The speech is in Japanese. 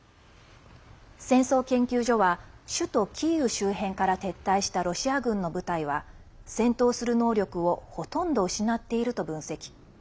戦争研究所は首都キーウ周辺から撤退したロシア軍の部隊は戦闘する能力をほとんど失っていると分析。